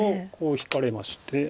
こう引かれまして。